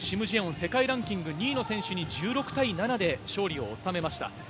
世界ランク２位の選手に１６対７で勝利を収めました。